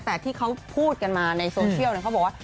แต่ที่เขาพูดกันมาในโซเชียลเขาบอกว่า